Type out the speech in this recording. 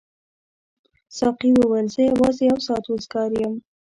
ساقي وویل زه یوازې یو ساعت وزګار یم.